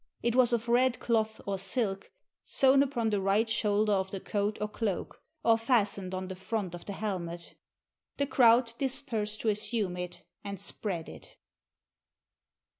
It was of red cloth or silk, sewn upon the right shoulder of the coat or cloak, or fas tened on the front of the hehnet. The crowd dispersed to assume it and spread it.